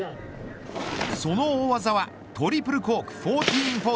その大技はトリプルコーク１４４０。